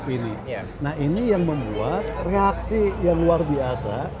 nah ini yang membuat reaksi yang luar biasa